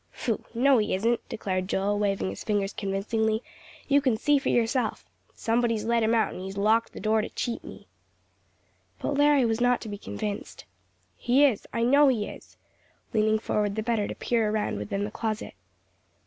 "Phoo, no, he isn't," declared Joel, waving his fingers convincingly; "you can see for yourself. Somebody's let him out, and he's locked the door to cheat me." But Larry was not to be convinced. "He is, I know he is," leaning forward the better to peer around within the closet.